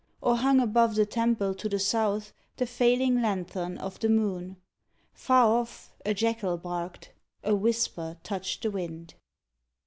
Or, hung above the temple to the south. The failing Ian thorn of the moon ... Far off A jackal barked ... A whisper touched the wind.